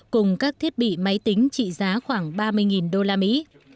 cùng các thiết bị máy tính trị giá khoảng ba mươi đô la mỹ